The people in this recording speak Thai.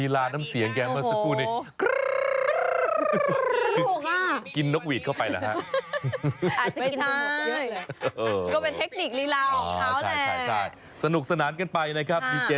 แลกะเลียหลงกระดำตากะเจ็บกระม่ง